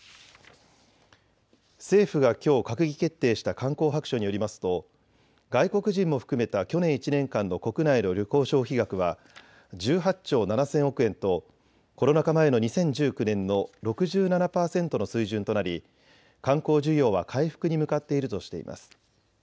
政府がきょう閣議決定した観光白書によりますと外国人も含めた去年１年間の国内の旅行消費額は１８兆７０００億円とコロナ禍前の２０１９年の６７％の水準となり観光需要は回復に向かっているとしています。